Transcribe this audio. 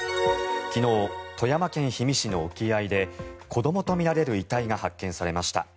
昨日、富山県氷見市の沖合で子どもとみられる遺体が発見されました。